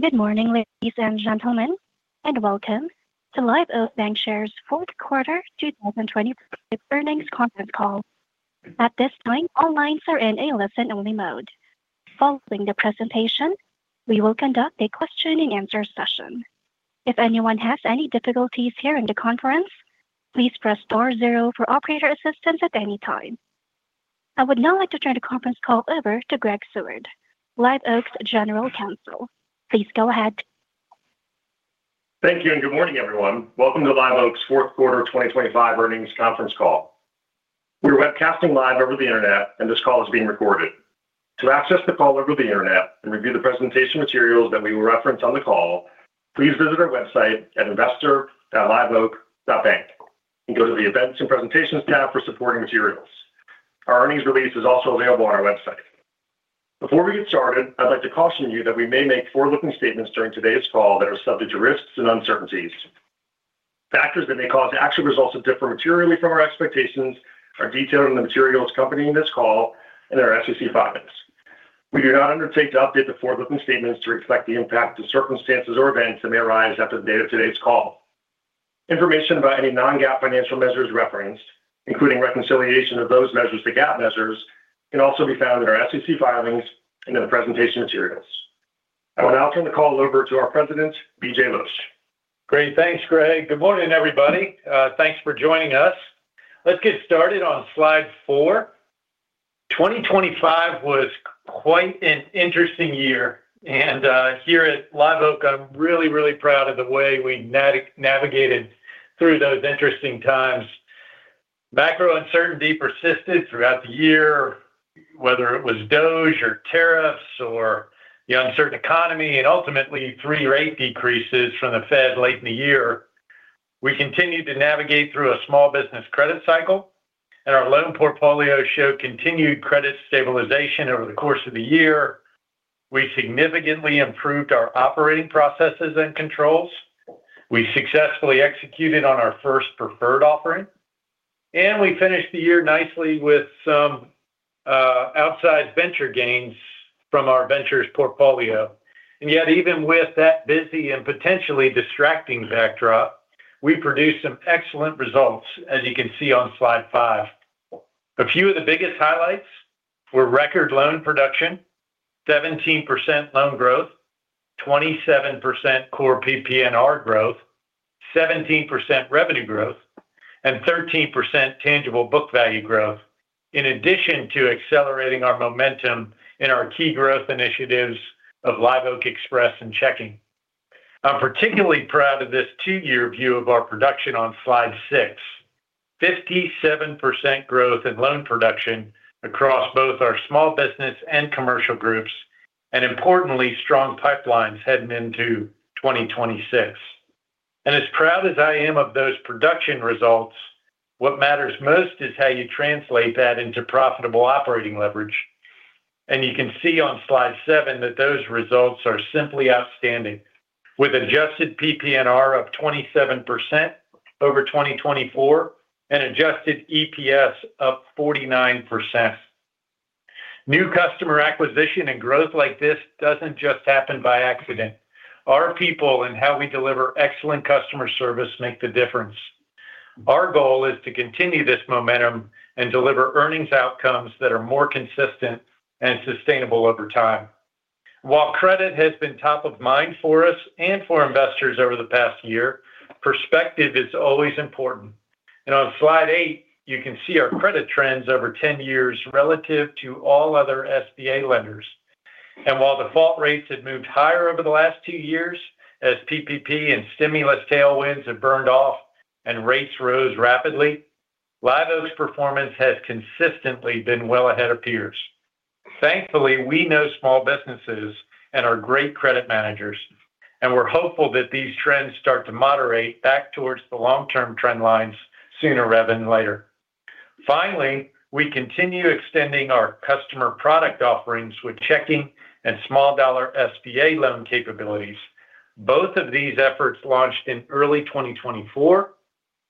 Good morning, ladies and gentlemen, and welcome to Live Oak Bancshares' fourth quarter 2025 earnings conference call. At this time, all lines are in a listen-only mode. Following the presentation, we will conduct a question-and-answer session. If anyone has any difficulties hearing the conference, please press star zero for operator assistance at any time. I would now like to turn the conference call over to Greg Seward, Live Oak's general counsel. Please go ahead. Thank you, and good morning, everyone. Welcome to Live Oak's fourth quarter 2025 earnings conference call. We are webcasting live over the internet, and this call is being recorded. To access the call over the internet and review the presentation materials that we will reference on the call, please visit our website at investor.liveoak.bank and go to the Events and Presentations tab for supporting materials. Our earnings release is also available on our website. Before we get started, I'd like to caution you that we may make forward-looking statements during today's call that are subject to risks and uncertainties. Factors that may cause actual results to differ materially from our expectations are detailed in the materials accompanying this call and our SEC filings. We do not undertake to update the forward-looking statements to reflect the impact of circumstances or events that may arise after the date of today's call. Information about any non-GAAP financial measures referenced, including reconciliation of those measures to GAAP measures, can also be found in our SEC filings and in the presentation materials. I will now turn the call over to our President, B.J. Losch. Great. Thanks, Greg. Good morning, everybody. Thanks for joining us. Let's get started on slide 4. 2025 was quite an interesting year, and here at Live Oak, I'm really, really proud of the way we navigated through those interesting times. Macro uncertainty persisted throughout the year, whether it was DOGE or tariffs or the uncertain economy, and ultimately three rate decreases from the Fed late in the year. We continued to navigate through a small business credit cycle, and our loan portfolio showed continued credit stabilization over the course of the year. We significantly improved our operating processes and controls. We successfully executed on our first preferred offering, and we finished the year nicely with some outsized venture gains from our ventures portfolio. And yet, even with that busy and potentially distracting backdrop, we produced some excellent results, as you can see on slide five. A few of the biggest highlights were record loan production, 17% loan growth, 27% core PP&R growth, 17% revenue growth, and 13% tangible book value growth, in addition to accelerating our momentum in our key growth initiatives of Live Oak Express and checking. I'm particularly proud of this two-year view of our production on slide 6: 57% growth in loan production across both our small business and commercial groups, and importantly, strong pipelines heading into 2026. And as proud as I am of those production results, what matters most is how you translate that into profitable operating leverage. And you can see on slide seven that those results are simply outstanding, with adjusted PP&R of 27% over 2024 and adjusted EPS up 49%. New customer acquisition and growth like this doesn't just happen by accident. Our people and how we deliver excellent customer service make the difference. Our goal is to continue this momentum and deliver earnings outcomes that are more consistent and sustainable over time. While credit has been top of mind for us and for investors over the past year, perspective is always important. On slide eight, you can see our credit trends over 10 years relative to all other SBA lenders. While default rates had moved higher over the last two years as PPP and stimulus tailwinds had burned off and rates rose rapidly, Live Oak's performance has consistently been well ahead of peers. Thankfully, we know small businesses and are great credit managers, and we're hopeful that these trends start to moderate back towards the long-term trend lines sooner rather than later. Finally, we continue extending our customer product offerings with checking and small-dollar SBA loan capabilities. Both of these efforts launched in early 2024,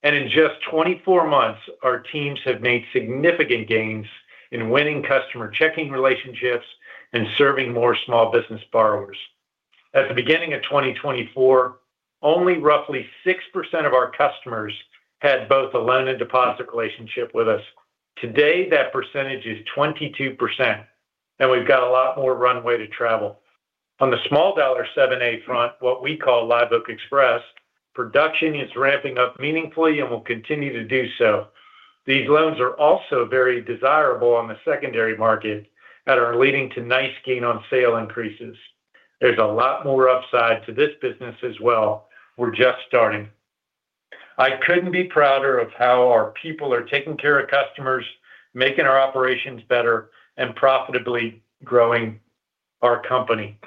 and in just 24 months, our teams have made significant gains in winning customer checking relationships and serving more small business borrowers. At the beginning of 2024, only roughly 6% of our customers had both a loan and deposit relationship with us. Today, that percentage is 22%, and we've got a lot more runway to travel. On the small-dollar 7(a) front, what we call Live Oak Express, production is ramping up meaningfully and will continue to do so. These loans are also very desirable on the secondary market and are leading to nice gain on sale increases. There's a lot more upside to this business as well. We're just starting. I couldn't be prouder of how our people are taking care of customers, making our operations better, and profitably growing our company.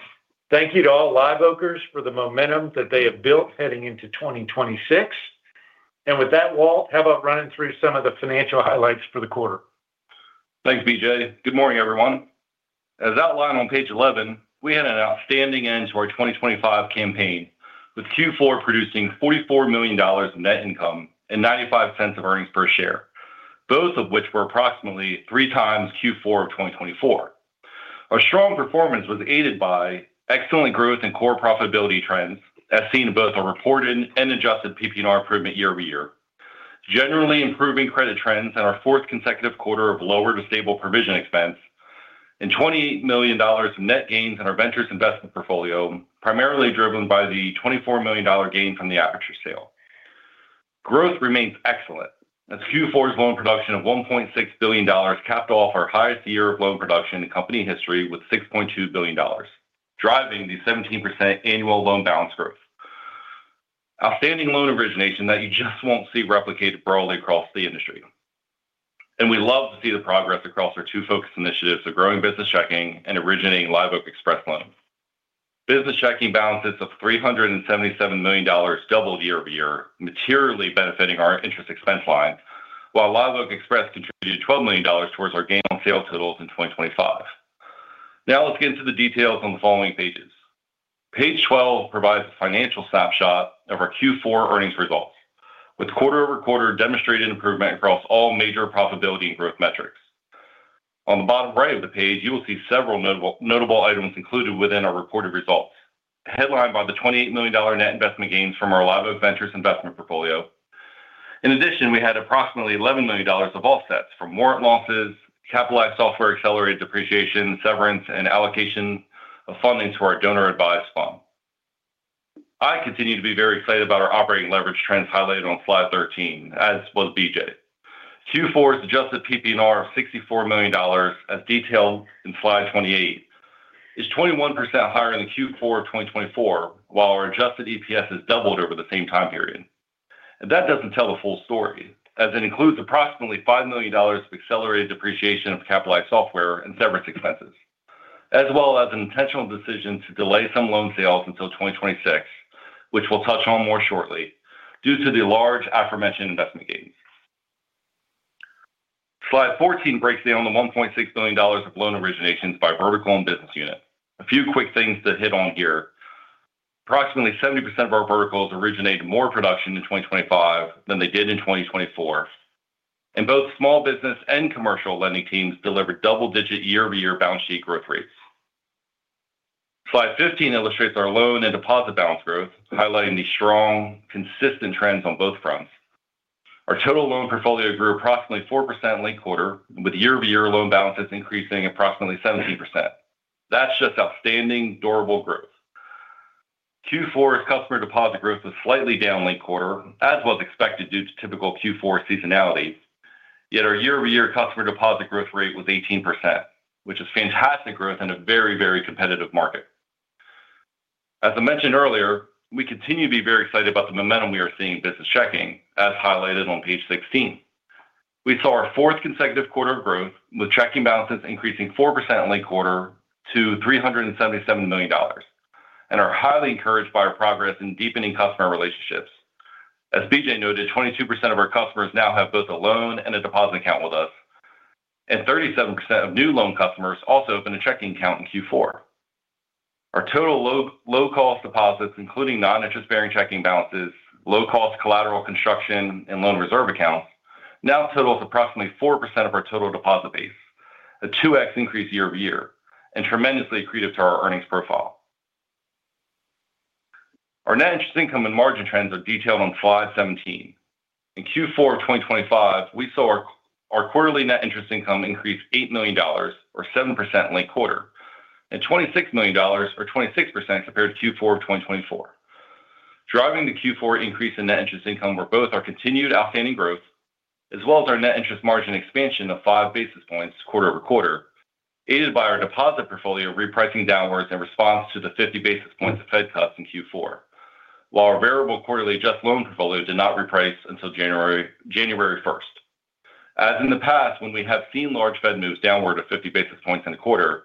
Thank you to all Live Oakers for the momentum that they have built heading into 2026. And with that, Walt, how about running through some of the financial highlights for the quarter? Thanks, B.J. Good morning, everyone. As outlined on page 11, we had an outstanding end to our 2025 campaign, with Q4 producing $44 million in net income and $0.95 of earnings per share, both of which were approximately three times Q4 of 2024. Our strong performance was aided by excellent growth and core profitability trends, as seen in both our reported and adjusted PP&R improvement year over year, generally improving credit trends in our fourth consecutive quarter of lower to stable provision expense, and $28 million in net gains in our ventures investment portfolio, primarily driven by the $24 million gain from the Apiture sale. Growth remains excellent, as Q4's loan production of $1.6 billion capped off our highest year of loan production in company history with $6.2 billion, driving the 17% annual loan balance growth. Outstanding loan origination that you just won't see replicated broadly across the industry. We love to see the progress across our two focus initiatives of growing Business Checking and originating Live Oak Express loans. Business Checking balance is $377 million doubled year over year, materially benefiting our interest expense line, while Live Oak Express contributed $12 million towards our gain on sales totals in 2025. Now let's get into the details on the following pages. Page 12 provides a financial snapshot of our Q4 earnings results, with quarter-over-quarter demonstrated improvement across all major profitability and growth metrics. On the bottom right of the page, you will see several notable items included within our reported results, headlined by the $28 million net investment gains from our Live Oak Ventures investment portfolio. In addition, we had approximately $11 million of offsets from warrant losses, capitalized software accelerated depreciation, severance, and allocation of funding to our donor-advised fund. I continue to be very excited about our operating leverage trends highlighted on slide 13, as was B.J. Q4's adjusted PP&R of $64 million, as detailed in slide 28, is 21% higher in the Q4 of 2024, while our adjusted EPS has doubled over the same time period. And that doesn't tell the full story, as it includes approximately $5 million of accelerated depreciation of capitalized software and severance expenses, as well as an intentional decision to delay some loan sales until 2026, which we'll touch on more shortly due to the large aforementioned investment gains. Slide 14 breaks down the $1.6 million of loan originations by vertical and business unit. A few quick things to hit on here. Approximately 70% of our verticals originated more production in 2025 than they did in 2024, and both small business and commercial lending teams delivered double-digit year-over-year balance sheet growth rates. Slide 15 illustrates our loan and deposit balance growth, highlighting the strong, consistent trends on both fronts. Our total loan portfolio grew approximately 4% linked quarter, with year-over-year loan balances increasing approximately 17%. That's just outstanding, durable growth. Q4's customer deposit growth was slightly down linked quarter, as was expected due to typical Q4 seasonality. Yet our year-over-year customer deposit growth rate was 18%, which is fantastic growth in a very, very competitive market. As I mentioned earlier, we continue to be very excited about the momentum we are seeing in business checking, as highlighted on page 16. We saw our fourth consecutive quarter of growth, with checking balances increasing 4% linked quarter to $377 million, and are highly encouraged by our progress in deepening customer relationships. As B.J. Noted, 22% of our customers now have both a loan and a deposit account with us, and 37% of new loan customers also open a checking account in Q4. Our total low-cost deposits, including non-interest-bearing checking balances, low-cost collateral construction, and loan reserve accounts now total approximately 4% of our total deposit base, a 2x increase year over year, and tremendously accretive to our earnings profile. Our net interest income and margin trends are detailed on slide 17. In Q4 of 2025, we saw our quarterly net interest income increase $8 million, or 7% linked quarter, and $26 million, or 26%, compared to Q4 of 2024. Driving the Q4 increase in net interest income were both our continued outstanding growth, as well as our net interest margin expansion of five basis points quarter over quarter, aided by our deposit portfolio repricing downwards in response to the 50 basis points of Fed cuts in Q4, while our variable quarterly adjusted loan portfolio did not reprice until January 1st. As in the past, when we have seen large Fed moves downward of 50 basis points in a quarter,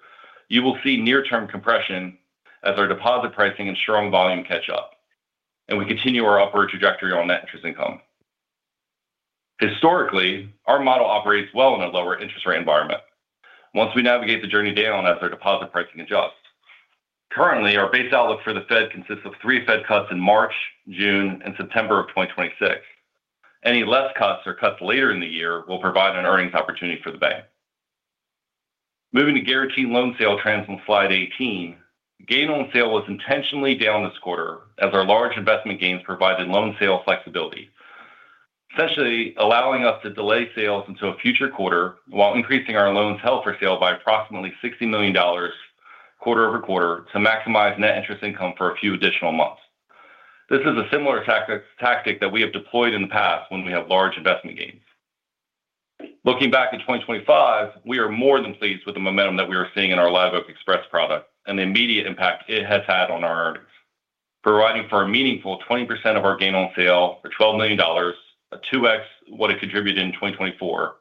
you will see near-term compression as our deposit pricing and strong volume catch up, and we continue our upward trajectory on net interest income. Historically, our model operates well in a lower interest rate environment, once we navigate the journey down as our deposit pricing adjusts. Currently, our base outlook for the Fed consists of three Fed cuts in March, June, and September of 2026. Any less cuts or cuts later in the year will provide an earnings opportunity for the bank. Moving to guaranteed loan sale trends on slide 18, gain on sale was intentionally down this quarter, as our large investment gains provided loan sale flexibility, essentially allowing us to delay sales until a future quarter while increasing our held-for-sale loans by approximately $60 million quarter over quarter to maximize net interest income for a few additional months. This is a similar tactic that we have deployed in the past when we have large investment gains. Looking back at 2025, we are more than pleased with the momentum that we are seeing in our Live Oak Express product and the immediate impact it has had on our earnings, providing for a meaningful 20% of our gain on sale, or $12 million, a 2x what it contributed in 2024.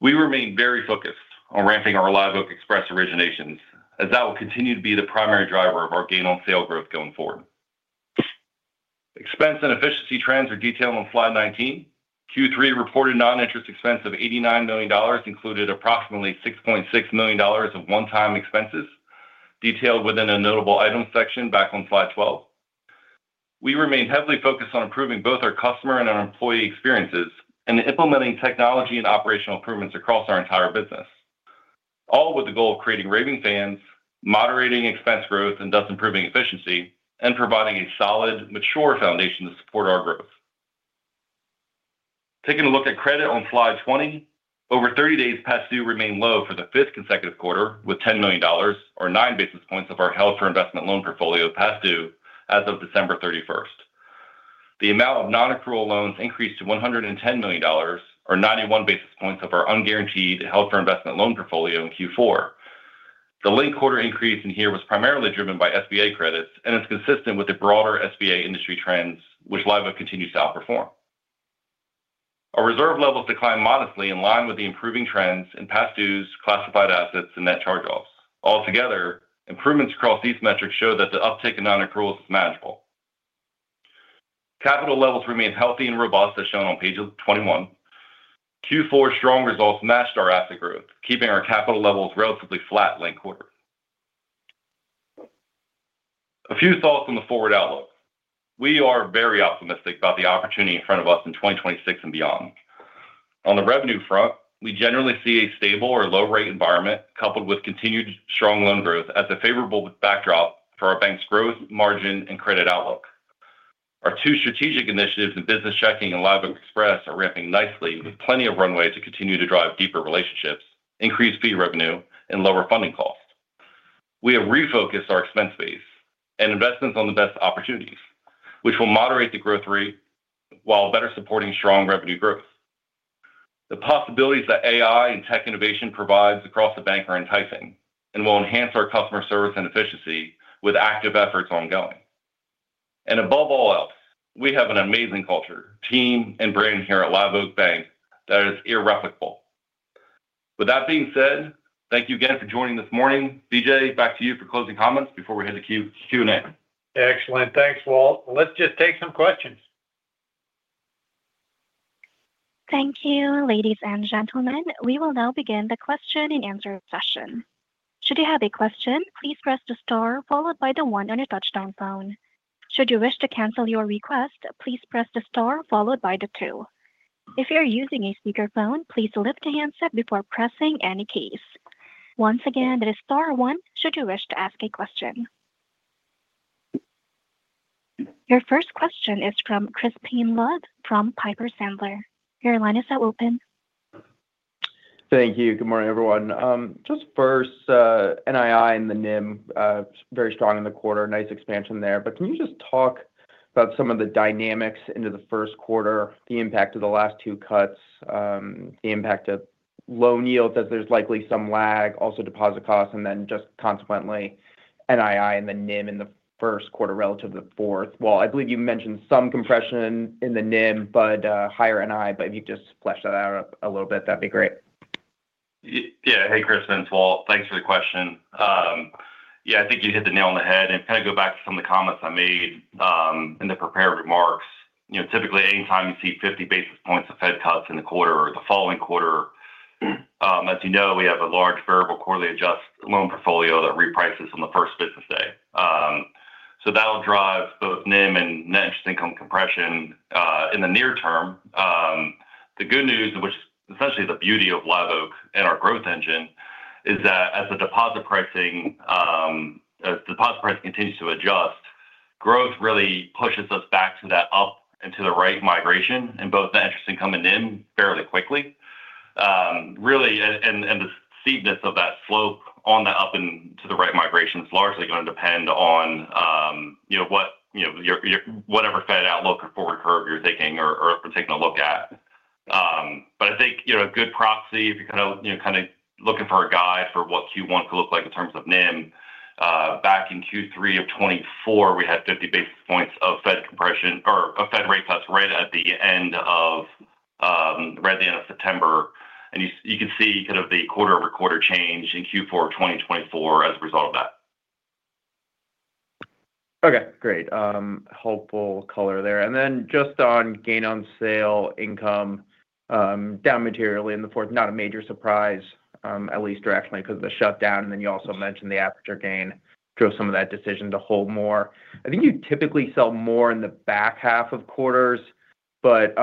We remain very focused on ramping our Live Oak Express originations, as that will continue to be the primary driver of our gain on sale growth going forward. Expense and efficiency trends are detailed on slide 19. Q3 reported non-interest expense of $89 million included approximately $6.6 million of one-time expenses, detailed within a notable item section back on slide 12. We remain heavily focused on improving both our customer and our employee experiences and implementing technology and operational improvements across our entire business, all with the goal of creating raving fans, moderating expense growth and thus improving efficiency, and providing a solid, mature foundation to support our growth. Taking a look at credit on slide 20, over 30 days past due remain low for the fifth consecutive quarter, with $10 million, or 9 basis points, of our held-for-investment loan portfolio past due as of December 31st. The amount of non-accrual loans increased to $110 million, or 91 basis points, of our unguaranteed held-for-investment loan portfolio in Q4. The linked quarter increase in here was primarily driven by SBA credits and is consistent with the broader SBA industry trends, which Live Oak continues to outperform. Our reserve levels decline modestly, in line with the improving trends in past dues, classified assets, and net charge-offs. Altogether, improvements across these metrics show that the uptake in non-accruals is manageable. Capital levels remain healthy and robust, as shown on page 21. Q4 strong results matched our asset growth, keeping our capital levels relatively flat linked quarter. A few thoughts on the forward outlook. We are very optimistic about the opportunity in front of us in 2026 and beyond. On the revenue front, we generally see a stable or low-rate environment, coupled with continued strong loan growth as a favorable backdrop for our bank's growth, margin, and credit outlook. Our two strategic initiatives in business checking and Live Oak Express are ramping nicely, with plenty of runway to continue to drive deeper relationships, increased fee revenue, and lower funding costs. We have refocused our expense base and investments on the best opportunities, which will moderate the growth rate while better supporting strong revenue growth. The possibilities that AI and tech innovation provides across the bank are enticing and will enhance our customer service and efficiency with active efforts ongoing, and above all else, we have an amazing culture, team, and brand here at Live Oak Bank that is irreplaceable. With that being said, thank you again for joining this morning. B.J., back to you for closing comments before we head to Q&A. Excellent. Thanks, Walt. Let's just take some questions. Thank you, ladies and gentlemen. We will now begin the question and answer session. Should you have a question, please press the star followed by the one on your touch-tone phone. Should you wish to cancel your request, please press the star followed by the two. If you're using a speakerphone, please lift the handset before pressing any keys. Once again, it is star one should you wish to ask a question. Your first question is from Crispin Love from Piper Sandler. Your line is now open. Thank you. Good morning, everyone. Just first, NII and the NIM very strong in the quarter, nice expansion there. But can you just talk about some of the dynamics into the first quarter, the impact of the last two cuts, the impact of loan yields as there's likely some lag, also deposit costs, and then just consequently NII and the NIM in the first quarter relative to the fourth? Well, I believe you mentioned some compression in the NIM, but higher NII, but if you could just flesh that out a little bit, that'd be great. Yeah. Hey, Chris and Walt. Thanks for the question. Yeah, I think you hit the nail on the head, and kind of go back to some of the comments I made in the prepared remarks. Typically, anytime you see 50 basis points of Fed cuts in the quarter or the following quarter, as you know, we have a large variable quarterly adjusted loan portfolio that reprices on the first business day. So that'll drive both NIM and net interest income compression in the near term. The good news, which is essentially the beauty of Live Oak and our growth engine, is that as the deposit pricing continues to adjust, growth really pushes us back to that up and to the right migration in both the interest income and NIM fairly quickly. Really, and the steepness of that slope on that up and to the right migration is largely going to depend on whatever Fed outlook or forward curve you're taking or taking a look at. But I think a good proxy, if you're kind of looking for a guide for what Q1 could look like in terms of NIM, back in Q3 of 2024, we had 50 basis points of Fed compression or of Fed rate cuts right at the end of September, and you can see kind of the quarter-over-quarter change in Q4 of 2024 as a result of that. Okay. Great. Hopeful color there. And then just on gain on sale income, down materially in the fourth, not a major surprise, at least directionally, because of the shutdown. And then you also mentioned the Apiture gain drove some of that decision to hold more. I think you typically sell more in the back half of quarters, but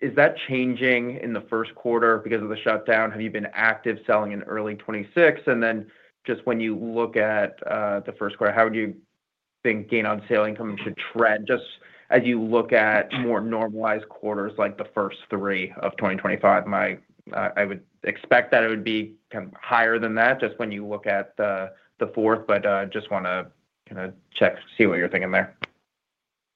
is that changing in the first quarter because of the shutdown? Have you been active selling in early 2026? And then just when you look at the first quarter, how would you think gain on sale income should trend just as you look at more normalized quarters like the first three of 2025? I would expect that it would be kind of higher than that just when you look at the fourth, but just want to kind of check, see what you're thinking there.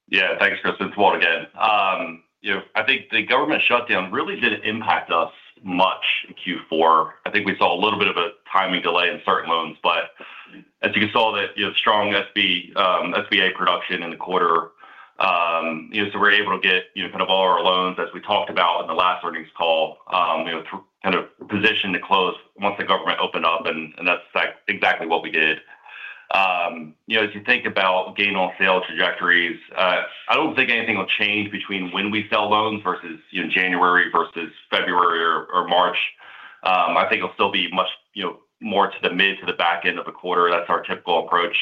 Yeah. Thanks, Chris. It's Walt again. I think the government shutdown really didn't impact us much in Q4. I think we saw a little bit of a timing delay in certain loans, but as you can see that strong SBA production in the quarter, so we're able to get kind of all our loans, as we talked about in the last earnings call, kind of positioned to close once the government opened up, and that's exactly what we did. As you think about gain on sale trajectories, I don't think anything will change between when we sell loans versus January versus February or March. I think it'll still be much more to the mid to the back end of the quarter. That's our typical approach.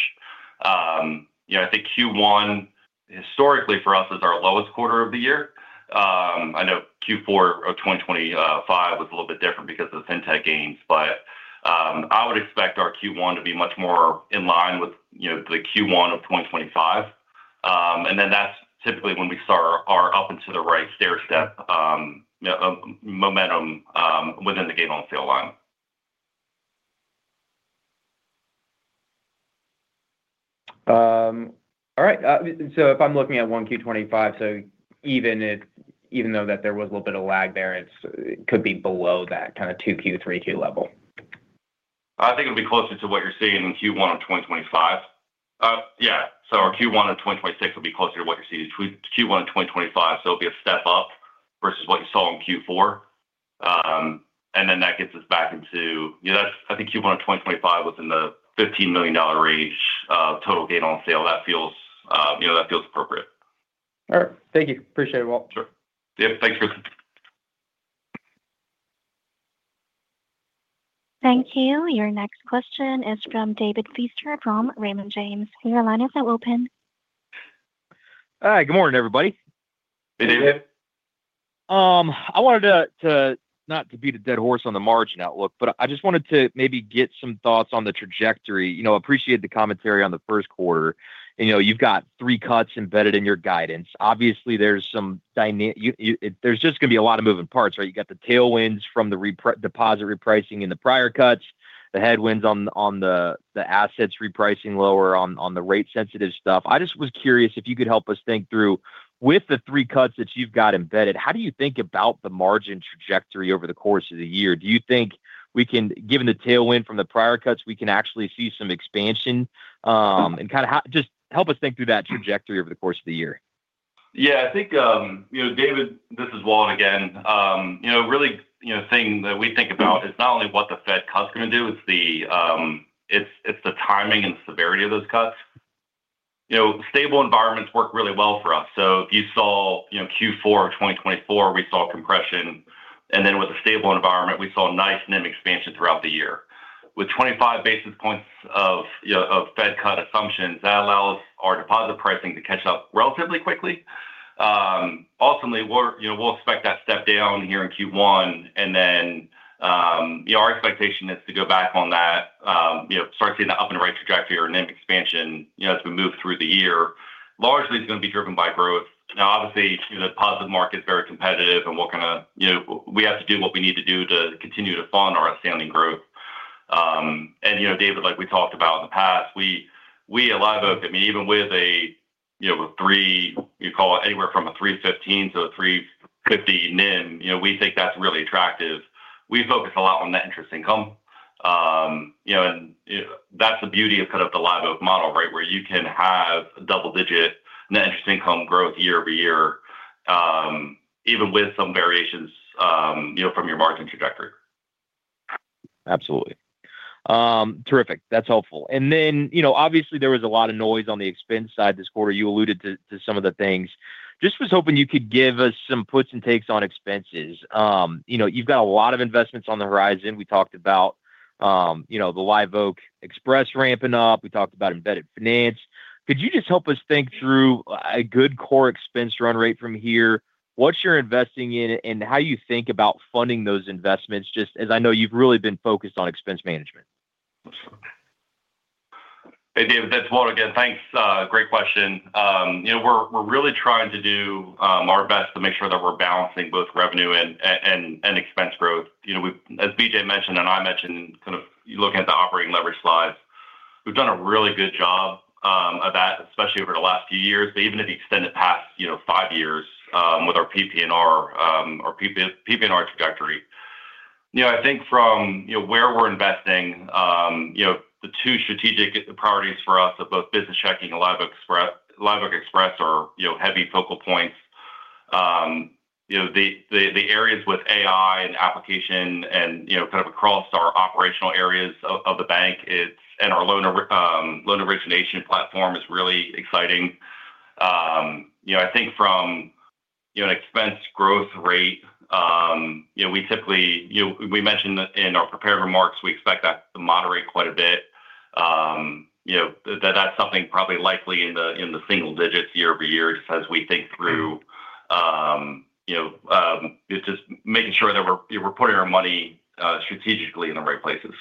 I think Q1, historically, for us, is our lowest quarter of the year. I know Q4 of 2025 was a little bit different because of the fintech gains, but I would expect our Q1 to be much more in line with the Q1 of 2025, and then that's typically when we start our up and to the right stairstep momentum within the gain on sale line. All right. So if I'm looking at one Q25, so even though there was a little bit of lag there, it could be below that kind of 2Q, 3Q level? I think it would be closer to what you're seeing in Q1 of 2025. Yeah, so our Q1 of 2026 would be closer to what you're seeing in Q1 of 2025, so it'll be a step up versus what you saw in Q4, and then that gets us back into, I think, Q1 of 2025 within the $15 million range total gain on sale. That feels appropriate. All right. Thank you. Appreciate it, Walt. Sure. Yep. Thanks, Cris. Thank you. Your next question is from David Feaster from Raymond James. Your line is now open. Hi. Good morning, everybody. Hey, David. I wanted to not beat a dead horse on the margin outlook, but I just wanted to maybe get some thoughts on the trajectory. I appreciate the commentary on the first quarter. You've got three cuts embedded in your guidance. Obviously, there's just going to be a lot of moving parts, right? You've got the tailwinds from the deposit repricing in the prior cuts, the headwinds on the assets repricing lower on the rate-sensitive stuff. I just was curious if you could help us think through, with the three cuts that you've got embedded, how do you think about the margin trajectory over the course of the year? Do you think we can, given the tailwind from the prior cuts, actually see some expansion and kind of just help us think through that trajectory over the course of the year? Yeah. I think, David, this is Walt again. Really, the thing that we think about is not only what the Fed cuts are going to do, it's the timing and severity of those cuts. Stable environments work really well for us. So if you saw Q4 of 2024, we saw compression. And then with a stable environment, we saw nice NIM expansion throughout the year. With 25 basis points of Fed cut assumptions, that allows our deposit pricing to catch up relatively quickly. Ultimately, we'll expect that step down here in Q1. And then our expectation is to go back on that, start seeing the up and right trajectory or NIM expansion as we move through the year. Largely, it's going to be driven by growth. Now, obviously, the deposit market is very competitive, and we're going to have to do what we need to do to continue to fund our outstanding growth. David, like we talked about in the past, we at Live Oak, I mean, even with a three, you call it anywhere from a 315-350 NIM, we think that's really attractive. We focus a lot on net interest income. And that's the beauty of kind of the Live Oak model, right, where you can have a double-digit net interest income growth year over year, even with some variations from your margin trajectory. Absolutely. Terrific. That's helpful. And then, obviously, there was a lot of noise on the expense side this quarter. You alluded to some of the things. Just was hoping you could give us some puts and takes on expenses. You've got a lot of investments on the horizon. We talked about the Live Oak Express ramping up. We talked about embedded finance. Could you just help us think through a good core expense run rate from here? What you're investing in and how you think about funding those investments, just as I know you've really been focused on expense management. Hey, David. That's Walt again. Thanks. Great question. We're really trying to do our best to make sure that we're balancing both revenue and expense growth. As B.J. mentioned and I mentioned kind of looking at the operating leverage slides, we've done a really good job of that, especially over the last few years, but even if you extend it past five years with our PP&R trajectory. I think from where we're investing, the two strategic priorities for us of both Business Checking and Live Oak Express are heavy focal points. The areas with AI and application and kind of across our operational areas of the bank and our loan origination platform is really exciting. I think from an expense growth rate, we typically mentioned in our prepared remarks, we expect that to moderate quite a bit. That's something probably likely in the single digits year over year as we think through just making sure that we're putting our money strategically in the right places.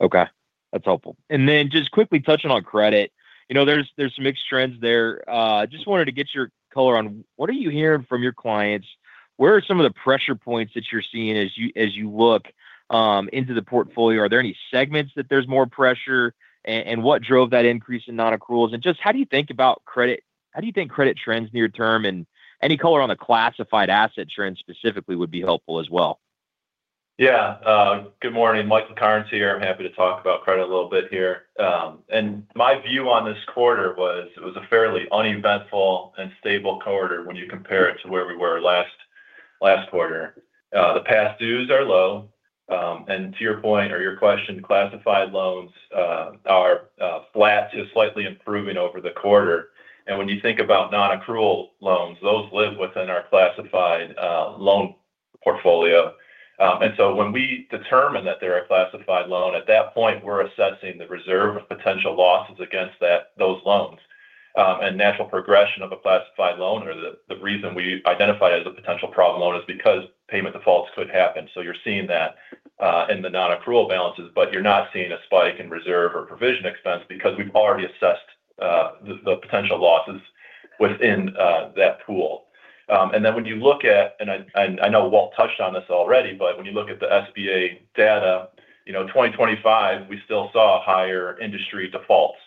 Okay. That's helpful. And then just quickly touching on credit, there's some mixed trends there. I just wanted to get your color on what are you hearing from your clients? Where are some of the pressure points that you're seeing as you look into the portfolio? Are there any segments that there's more pressure? And what drove that increase in non-accruals? And just how do you think about credit? How do you think credit trends near term? And any color on the classified asset trends specifically would be helpful as well. Yeah. Good morning. Michael Cairns here. I'm happy to talk about credit a little bit here. And my view on this quarter was it was a fairly uneventful and stable quarter when you compare it to where we were last quarter. The past dues are low. And to your point or your question, classified loans are flat to slightly improving over the quarter. And when you think about non-accrual loans, those live within our classified loan portfolio. And so when we determine that they're a classified loan, at that point, we're assessing the reserve of potential losses against those loans. And natural progression of a classified loan or the reason we identify it as a potential problem loan is because payment defaults could happen. So you're seeing that in the non-accrual balances, but you're not seeing a spike in reserve or provision expense because we've already assessed the potential losses within that pool. And then when you look at, and I know Walt touched on this already, but when you look at the SBA data, 2025, we still saw higher industry defaults.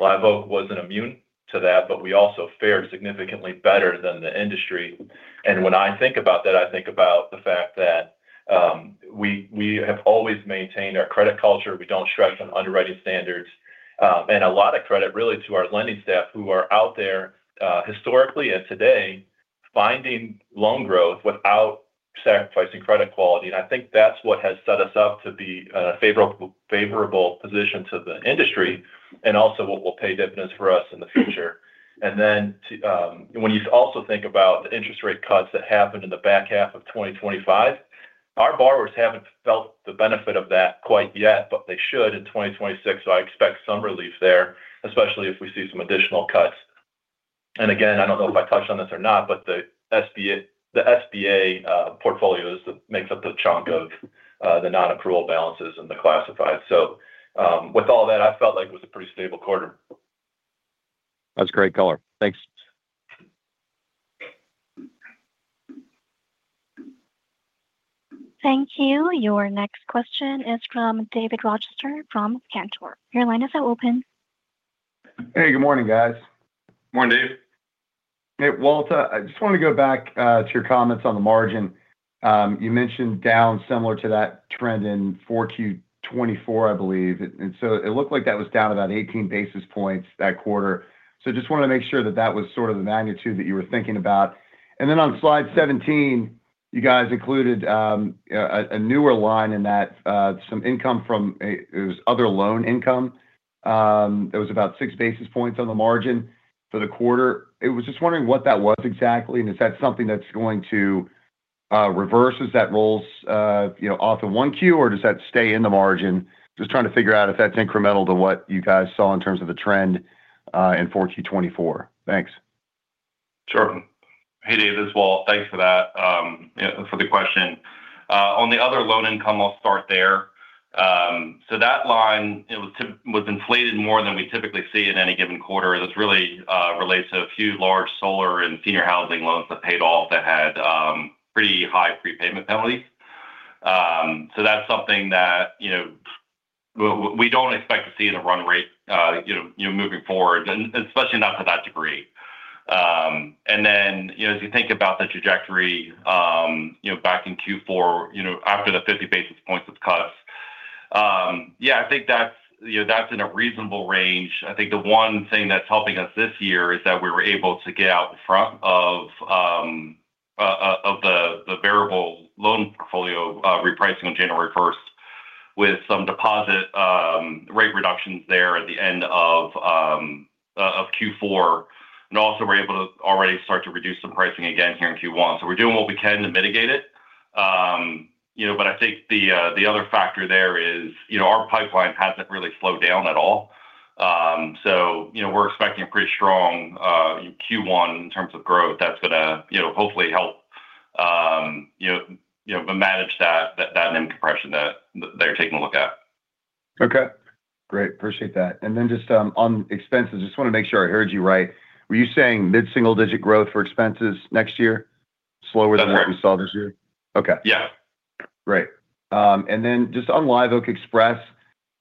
Live Oak wasn't immune to that, but we also fared significantly better than the industry. And when I think about that, I think about the fact that we have always maintained our credit culture. We don't stress on underwriting standards. And a lot of credit really to our lending staff who are out there historically and today finding loan growth without sacrificing credit quality. AndAnd I think that's what has set us up to be in a favorable position to the industry and also what will pay dividends for us in the future. And then when you also think about the interest rate cuts that happened in the back half of 2025, our borrowers haven't felt the benefit of that quite yet, but they should in 2026. So I expect some relief there, especially if we see some additional cuts. And again, I don't know if I touched on this or not, but the SBA portfolio makes up the chunk of the non-accrual balances and the classified. So with all that, I felt like it was a pretty stable quarter. That's great color. Thanks. Thank you. Your next question is from David Rochester from Cantor. Your line is now open. Hey, good morning, guys. Morning, Dave. Hey, Walter. I just wanted to go back to your comments on the margin. You mentioned down similar to that trend in 4Q 2024, I believe. And so it looked like that was down about 18 basis points that quarter. So just wanted to make sure that that was sort of the magnitude that you were thinking about. And then on slide 17, you guys included a newer line in that some income from it was other loan income. It was about six basis points on the margin for the quarter. I was just wondering what that was exactly. And is that something that's going to reverse? Does that roll off of 1Q, or does that stay in the margin? Just trying to figure out if that's incremental to what you guys saw in terms of the trend in 4Q 2024. Thanks. Sure. Hey, Dave. This is Walt. Thanks for that for the question. On the other loan income, I'll start there. So that line was inflated more than we typically see in any given quarter. This really relates to a few large solar and senior housing loans that paid off that had pretty high prepayment penalties. So that's something that we don't expect to see in a run rate moving forward, especially not to that degree. And then as you think about the trajectory back in Q4, after the 50 basis points of cuts, yeah, I think that's in a reasonable range. I think the one thing that's helping us this year is that we were able to get out in front of the variable loan portfolio repricing on January 1st with some deposit rate reductions there at the end of Q4. And also, we're able to already start to reduce the pricing again here in Q1. So we're doing what we can to mitigate it. But I think the other factor there is our pipeline hasn't really slowed down at all. So we're expecting a pretty strong Q1 in terms of growth that's going to hopefully help manage that NIM compression that they're taking a look at. Okay. Great. Appreciate that. And then just on expenses, just want to make sure I heard you right. Were you saying mid-single digit growth for expenses next year? Slower than what we saw this year? That's right. Yeah. Okay. Great. And then just on Live Oak Express,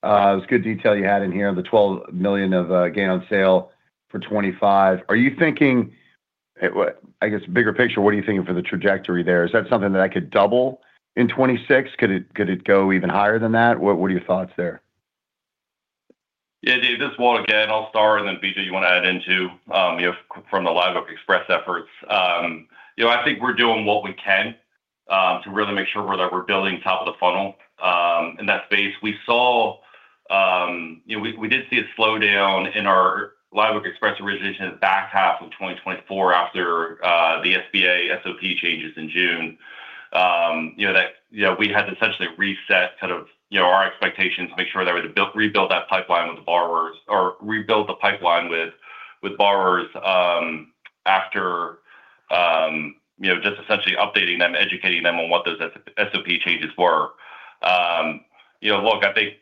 it was good detail you had in here, the $12 million of gain on sale for 2025. Are you thinking, I guess, bigger picture, what are you thinking for the trajectory there? Is that something that I could double in 2026? Could it go even higher than that? What are your thoughts there? Yeah, Dave. This is Walt again. I'll start, and then B.J., you want to add in too from the Live Oak Express efforts. I think we're doing what we can to really make sure that we're building top of the funnel in that space. We did see a slowdown in our Live Oak Express origination in the back half of 2024 after the SBA SOP changes in June. We had to essentially reset kind of our expectations to make sure that we rebuilt that pipeline with the borrowers or rebuilt the pipeline with borrowers after just essentially updating them, educating them on what those SOP changes were. Look, I think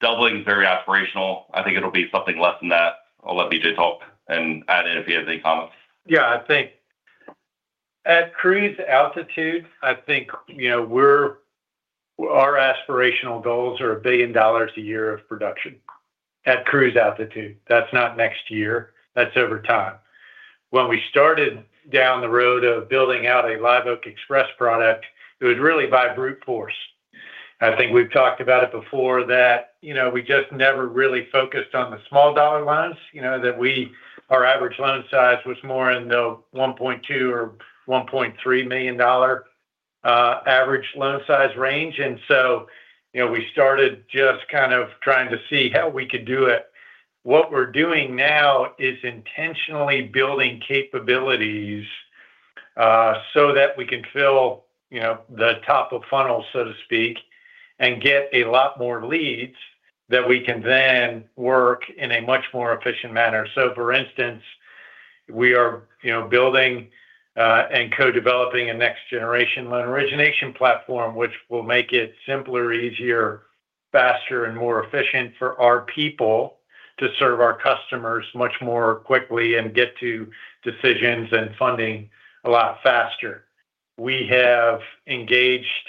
doubling is very aspirational. I think it'll be something less than that. I'll let B.J. talk and add in if he has any comments. Yeah. I think at cruise altitude, I think our aspirational goals are $1 billion a year of production at cruise altitude. That's not next year. That's over time. When we started down the road of building out a Live Oak Express product, it was really by brute force. I think we've talked about it before that we just never really focused on the small dollar loans, that our average loan size was more in the $1.2 million-$1.3 million-dollar average loan size range, and so we started just kind of trying to see how we could do it. What we're doing now is intentionally building capabilities so that we can fill the top of funnel, so to speak, and get a lot more leads that we can then work in a much more efficient manner. So, for instance, we are building and co-developing a next-generation loan origination platform, which will make it simpler, easier, faster, and more efficient for our people to serve our customers much more quickly and get to decisions and funding a lot faster. We have engaged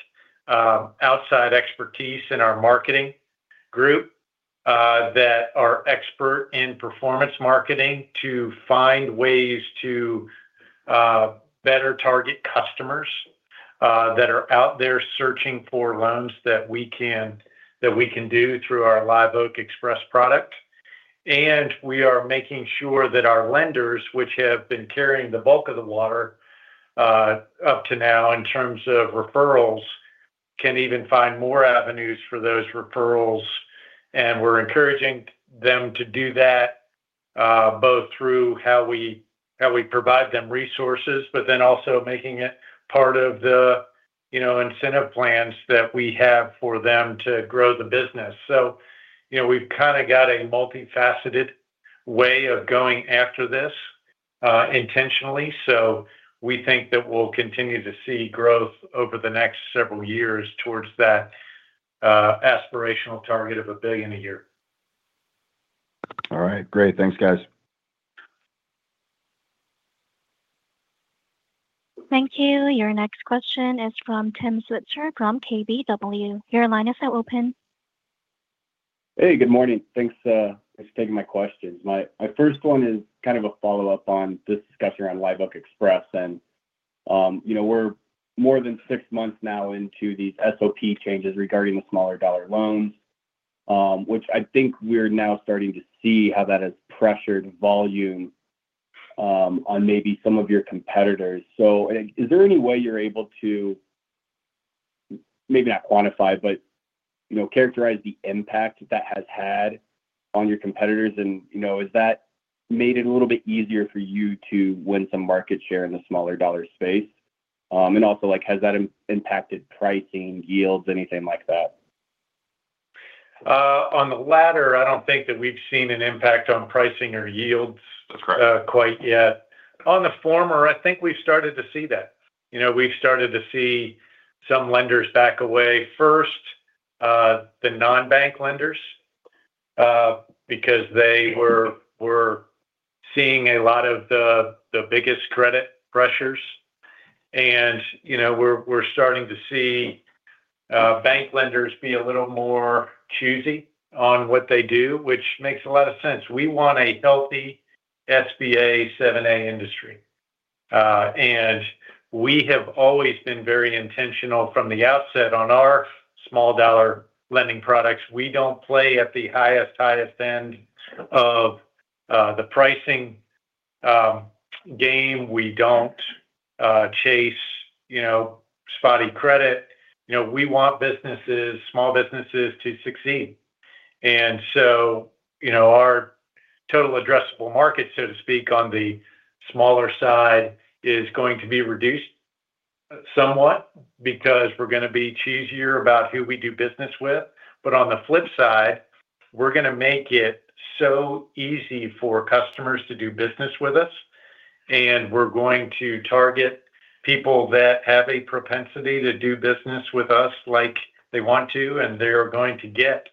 outside expertise in our marketing group that are expert in performance marketing to find ways to better target customers that are out there searching for loans that we can do through our Live Oak Express product. And we are making sure that our lenders, which have been carrying the bulk of the water up to now in terms of referrals, can even find more avenues for those referrals. And we're encouraging them to do that both through how we provide them resources, but then also making it part of the incentive plans that we have for them to grow the business. So we've kind of got a multifaceted way of going after this intentionally. So we think that we'll continue to see growth over the next several years towards that aspirational target of a billion a year. All right. Great. Thanks, guys. Thank you. Your next question is from Tim Switzer from KBW. Your line is now open. Hey, good morning. Thanks for taking my questions. My first one is kind of a follow-up on this discussion around Live Oak Express, and we're more than six months now into these SOP changes regarding the smaller dollar loans, which I think we're now starting to see how that has pressured volume on maybe some of your competitors, so is there any way you're able to maybe not quantify, but characterize the impact that has had on your competitors? and has that made it a little bit easier for you to win some market share in the smaller dollar space? and also, has that impacted pricing, yields, anything like that? On the latter, I don't think that we've seen an impact on pricing or yields quite yet. On the former, I think we've started to see that. We've started to see some lenders back away. First, the non-bank lenders because they were seeing a lot of the biggest credit pressures. And we're starting to see bank lenders be a little more choosy on what they do, which makes a lot of sense. We want a healthy SBA 7A industry. And we have always been very intentional from the outset on our small dollar lending products. We don't play at the highest, highest end of the pricing game. We don't chase spotty credit. We want businesses, small businesses, to succeed. And so our total addressable market, so to speak, on the smaller side is going to be reduced somewhat because we're going to be choosier about who we do business with. But on the flip side, we're going to make it so easy for customers to do business with us. And we're going to target people that have a propensity to do business with us like they want to, and they are going to get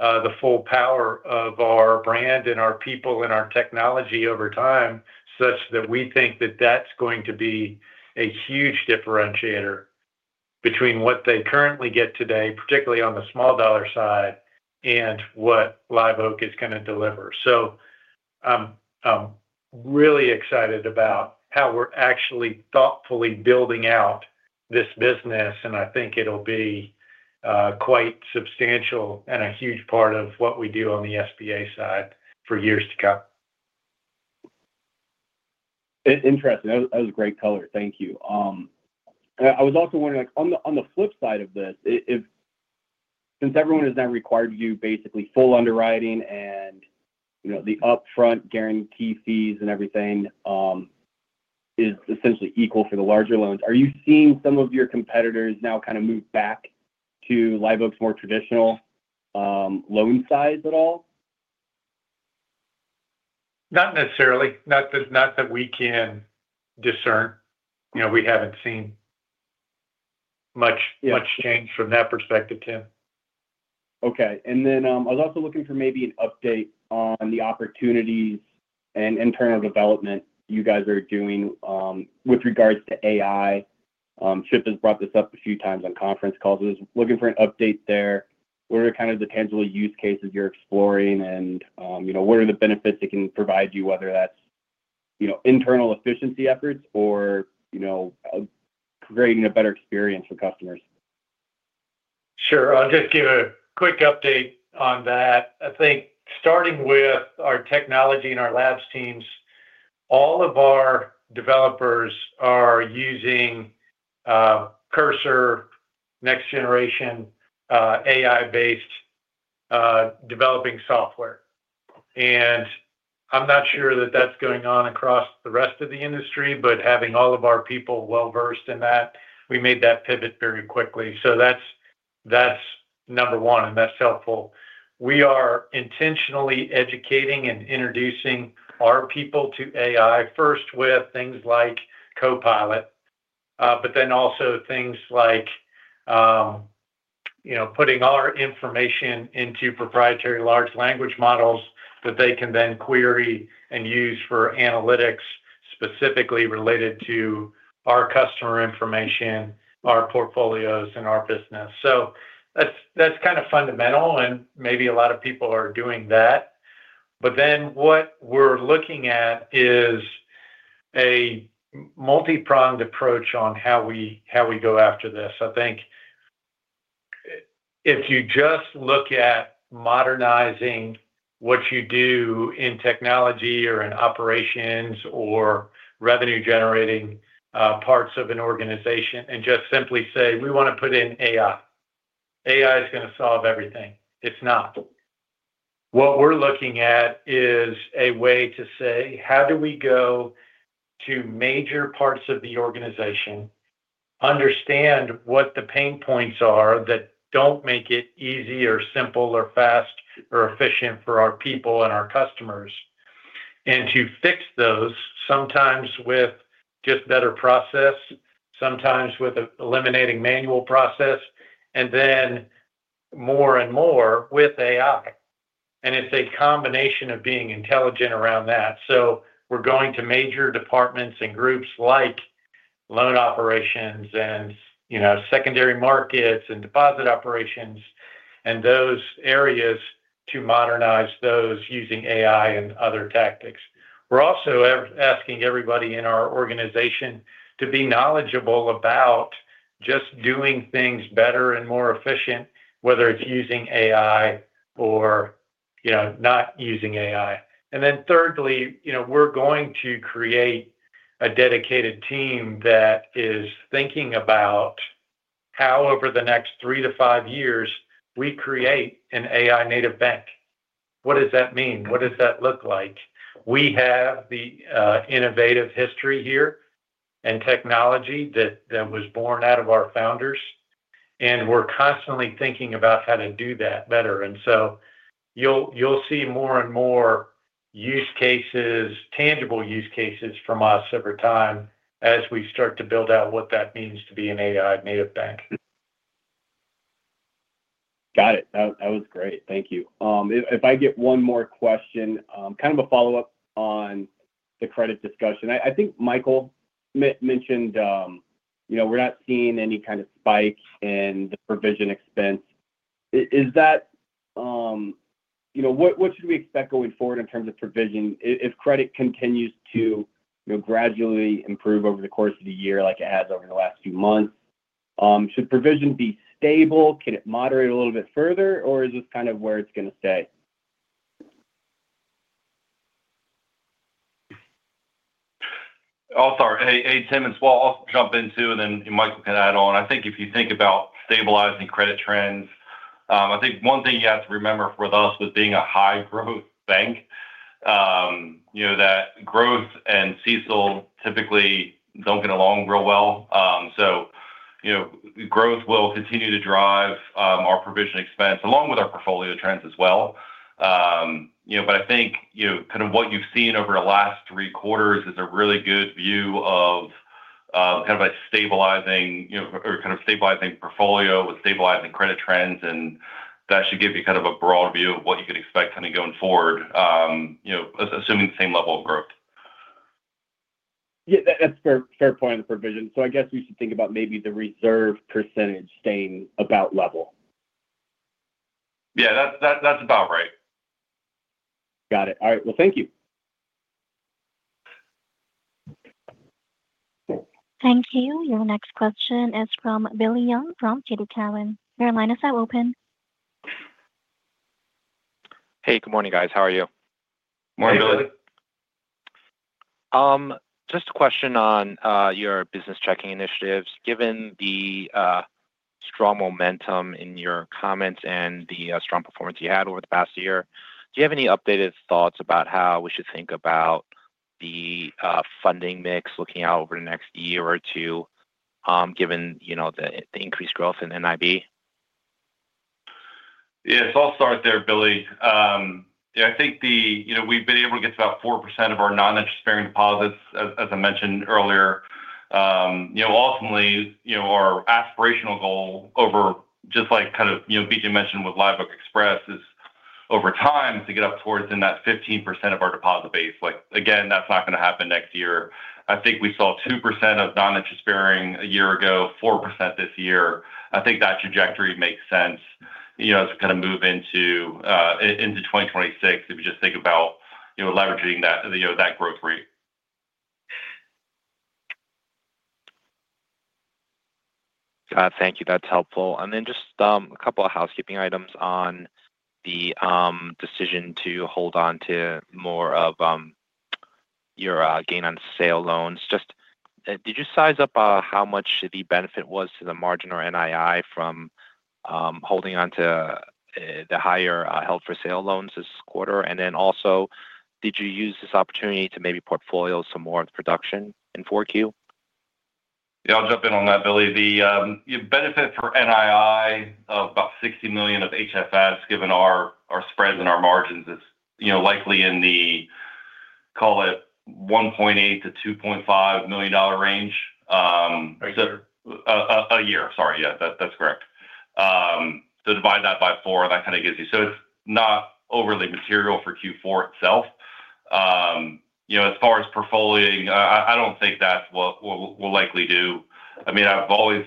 the full power of our brand and our people and our technology over time such that we think that that's going to be a huge differentiator between what they currently get today, particularly on the small dollar side, and what Live Oak is going to deliver. So I'm really excited about how we're actually thoughtfully building out this business. And I think it'll be quite substantial and a huge part of what we do on the SBA side for years to come. Interesting. That was a great color. Thank you. I was also wondering, on the flip side of this, since everyone has now required you basically full underwriting and the upfront guarantee fees and everything is essentially equal for the larger loans, are you seeing some of your competitors now kind of move back to Live Oak's more traditional loan size at all? Not necessarily. Not that we can discern. We haven't seen much change from that perspective, Tim. Okay, and then I was also looking for maybe an update on the opportunities and internal development you guys are doing with regards to AI. Chip has brought this up a few times on conference calls. I was looking for an update there. What are kind of the tangible use cases you're exploring, and what are the benefits it can provide you, whether that's internal efficiency efforts or creating a better experience for customers? Sure. I'll just give a quick update on that. I think starting with our technology and our labs teams, all of our developers are using Cursor, next-generation AI-based developing software, and I'm not sure that that's going on across the rest of the industry, but having all of our people well-versed in that, we made that pivot very quickly, so that's number one, and that's helpful. We are intentionally educating and introducing our people to AI, first with things like Copilot, but then also things like putting our information into proprietary large language models that they can then query and use for analytics specifically related to our customer information, our portfolios, and our business, so that's kind of fundamental, and maybe a lot of people are doing that, but then what we're looking at is a multi-pronged approach on how we go after this. I think if you just look at modernizing what you do in technology or in operations or revenue-generating parts of an organization and just simply say, "We want to put in AI. AI is going to solve everything." It's not. What we're looking at is a way to say, "How do we go to major parts of the organization, understand what the pain points are that don't make it easy or simple or fast or efficient for our people and our customers?" And to fix those, sometimes with just better process, sometimes with eliminating manual process, and then more and more with AI. And it's a combination of being intelligent around that. So we're going to major departments and groups like loan operations and secondary markets and deposit operations and those areas to modernize those using AI and other tactics. We're also asking everybody in our organization to be knowledgeable about just doing things better and more efficient, whether it's using AI or not using AI. And then thirdly, we're going to create a dedicated team that is thinking about how, over the next three to five years, we create an AI-native bank. What does that mean? What does that look like? We have the innovative history here and technology that was born out of our founders, and we're constantly thinking about how to do that better. And so you'll see more and more use cases, tangible use cases from us over time as we start to build out what that means to be an AI-native bank. Got it. That was great. Thank you. If I ask one more question, kind of a follow-up on the credit discussion. I think Michael mentioned we're not seeing any kind of spike in the provision expense. Is that what we should expect going forward in terms of provision if credit continues to gradually improve over the course of the year like it has over the last few months? Should provision be stable? Can it moderate a little bit further, or is this kind of where it's going to stay? I'll start. Hey, Tim, It's Walt, I'll jump in too, and then Michael can add on. I think if you think about stabilizing credit trends, I think one thing you have to remember with us with being a high-growth bank, that growth and CECL typically don't get along real well. So growth will continue to drive our provision expense along with our portfolio trends as well, but I think kind of what you've seen over the last three quarters is a really good view of kind of a stabilizing or kind of stabilizing portfolio with stabilizing credit trends, and that should give you kind of a broad view of what you can expect kind of going forward, assuming the same level of growth. Yeah. That's a fair point on the provision. So I guess we should think about maybe the reserve percentage staying about level. Yeah, that's about right. Got it. All right. Well, thank you. Thank you. Your next question is from Billy Young from TD Cowen. Your line is now open. Hey, good morning, guys. How are you? Morning, Billy. Just a question on your business checking initiatives. Given the strong momentum in your comments and the strong performance you had over the past year, do you have any updated thoughts about how we should think about the funding mix looking out over the next year or two, given the increased growth in NII? Yeah, so I'll start there, Billy. Yeah, I think we've been able to get to about 4% of our non-interest-bearing deposits, as I mentioned earlier. Ultimately, our aspirational goal over just like kind of BJ mentioned with Live Oak Express is over time to get up towards in that 15% of our deposit base. Again, that's not going to happen next year. I think we saw 2% of non-interest-bearing a year ago, 4% this year. I think that trajectory makes sense as we kind of move into 2026 if you just think about leveraging that growth rate. Thank you. That's helpful. And then just a couple of housekeeping items on the decision to hold on to more of your gain-on-sale loans. Just, did you size up how much the benefit was to the margin or NII from holding on to the held-for-sale loans this quarter? And then also, did you use this opportunity to maybe portfolio some more of the production in 4Q? Yeah, I'll jump in on that, Billy. The benefit for NII of about $60 million of HFS, given our spreads and our margins, is likely in the, call it, $1.8 million-$2.5 million-dollar range. Very good. A year. Sorry. Yeah, that's correct. So divide that by four, that kind of gives you so it's not overly material for Q4 itself. As far as portfolioing, I don't think that's what we'll likely do. I mean, I've always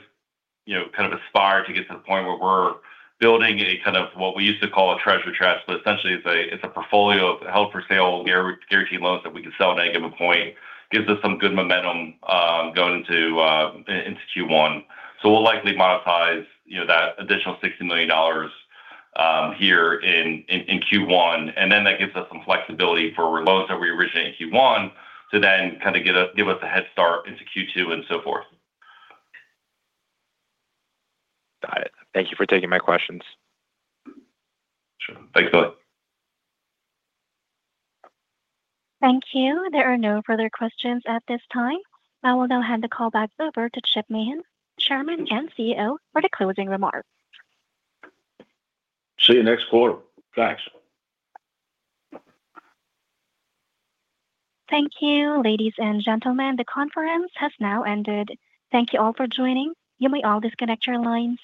kind of aspired to get to the point where we're building a kind of what we used to call a treasure, but essentially, it's a portfolio of held-for-sale guaranteed loans that we can sell at any given point. Gives us some good momentum going into Q1. So we'll likely monetize that additional $60 million here in Q1. And then that gives us some flexibility for loans that we originate in Q1 to then kind of give us a head start into Q2 and so forth. Got it. Thank you for taking my questions. Sure. Thanks, Billy. Thank you. There are no further questions at this time. I will now hand the call back over to Chip Mahan, Chairman and CEO, for the closing remarks. See you next quarter. Thanks. Thank you, ladies and gentlemen. The conference has now ended. Thank you all for joining. You may all disconnect your lines.